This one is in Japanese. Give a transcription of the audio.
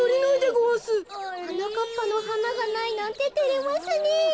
はなかっぱのはながないなんててれますねえ。